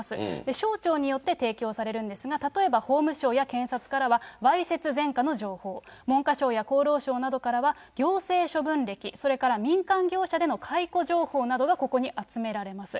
省庁によって提供されるんですが、例えば法務省や検察からはわいせつ前科の情報、文科省や厚労省などからは行政処分歴、それから民間業者での解雇情報などがここに集められます。